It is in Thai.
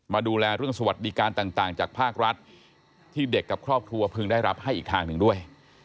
มาดูแลเรื่องสวัสดิการต่างจากภาครัฐที่เด็กกับครอบครัวพึงได้รับให้อีกทางหนึ่งด้วย